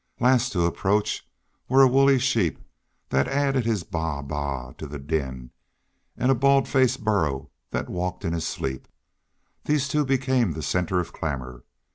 Last to approach were a woolly sheep that added his baa baa to the din, and a bald faced burro that walked in his sleep. These two became the centre of clamor.